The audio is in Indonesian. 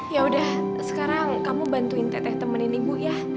yaudah sekarang kamu bantuin teteh temenin ibu ya